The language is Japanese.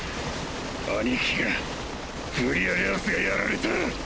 兄貴がブリアレオスが殺られた。